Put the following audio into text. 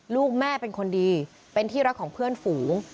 ลูกแม่เป็นคนดีเป็นที่รักของเพื่อนฝูง